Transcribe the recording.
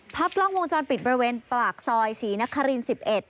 ภาพกล้องวงจรปิดบริเวณปากซอยศรีนคริน๑๑